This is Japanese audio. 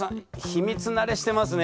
秘密慣れしてますね。